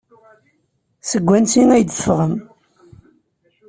Seg wansi ay d-teffɣem?